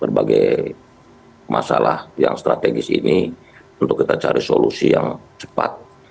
berbagai masalah yang strategis ini untuk kita cari solusi yang cepat